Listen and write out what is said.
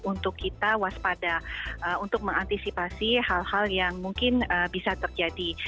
untuk kita waspada untuk mengantisipasi hal hal yang mungkin bisa terjadi